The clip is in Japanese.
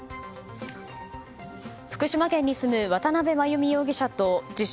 福島県に住む渡邉真由美容疑者と自称